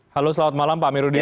halo selamat malam pak amirudin